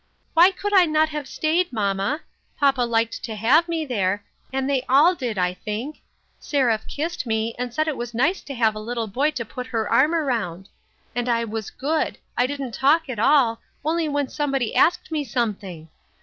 "Why could I not have staid, mamma? Papa liked to have me there, and they all did, I think. Seraph kissed me, and said it was nice to have a little boy to put her arm around. And I was good ; I didn't talk at all, only when somebody asked me something.